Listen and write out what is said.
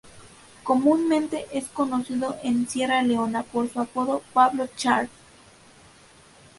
Comúnmente es conocido en Sierra Leona por su apodo Pablo Charm.